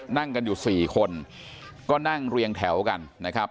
นั่งกันอยู่สี่คนก็นั่งเรียงแถวกันนะครับ